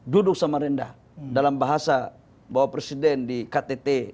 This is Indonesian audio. dan kita harus berasa bahwa presiden di ktt